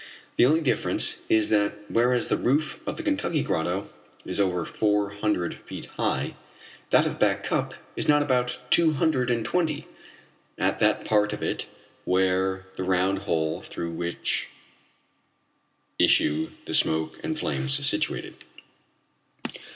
The only difference is that whereas the roof of the Kentucky grotto is over four hundred feet high, that of Back Cup is not above two hundred and twenty at that part of it where the round hole through which issue the smoke and flames is situated.